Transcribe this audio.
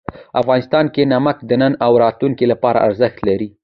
افغانستان کې نمک د نن او راتلونکي لپاره ارزښت لري.